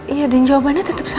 iya dan jawabannya tetep sama